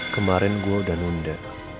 kemarin gua udah nunda